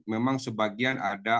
memang sebagian ada